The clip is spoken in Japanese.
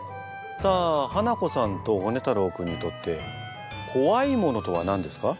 さあハナコさんとホネ太郎君にとって怖いものとは何ですか？